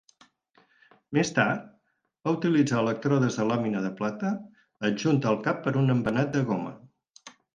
Més tard va utilitzar elèctrodes de làmina de plata adjunta al cap per un embenat de goma.